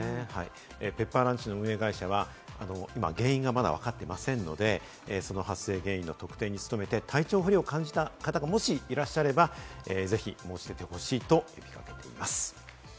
ペッパーランチの運営会社は今、原因がまだわかっていませんので、その発生原因の特定に努めて体調不良を感じた方がもしいらっしゃればぜひ申し出てほしいと呼び掛けています。